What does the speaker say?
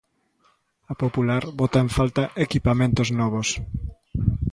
A popular bota en falta equipamentos novos.